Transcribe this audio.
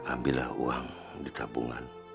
ambillah uang di tabungan